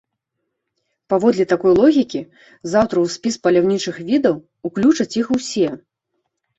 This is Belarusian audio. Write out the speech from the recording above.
Паводле такой логікі, заўтра ў спіс паляўнічых відаў уключаць іх усе.